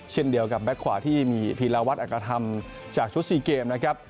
เช่นเดียวกับแบ็คขวาที่มีพีรวัตรอักษธรรมจากชุด๔เกมนะครับ